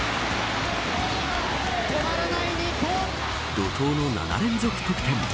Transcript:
怒とうの７連続得点。